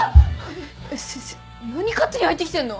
えっ先生何勝手に入ってきてんの！？